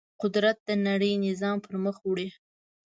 قدرت د نړۍ نظام پر مخ وړي.